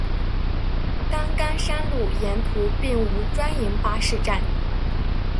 担杆山路沿途并无专营巴士站。